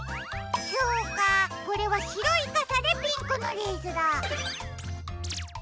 そうかこれはしろいかさでピンクのレースだ。